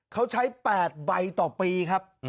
เขาใช้๘ใบต่อปีครับ